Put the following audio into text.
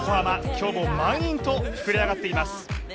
今日も満員と膨れ上がっています。